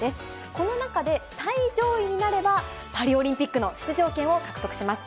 この中で最上位になれば、パリオリンピックの出場権を獲得します。